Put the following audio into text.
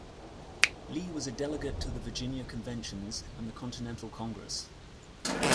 Lee was a delegate to the Virginia Conventions and the Continental Congress.